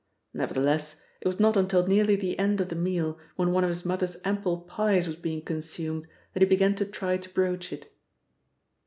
Nevertheless, it was not until nearly the end of the meal, when one of his mother's ample pies was being consumed, that he began to try to broach it.